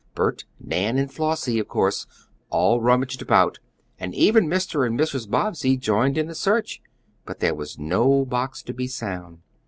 Bert, Nan, and Flossie, of course, all rummaged about, and even Mr. and Mrs. Bobbsey joined in the search. But there was no box to be found.